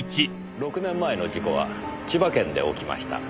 ６年前の事故は千葉県で起きました。